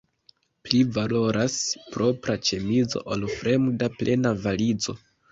Pli valoras propra ĉemizo, ol fremda plena valizo.